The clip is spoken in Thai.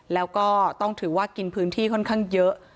แล้วก็ต้องถือว่ากินพื้นที่ค่อนข้างเยอะ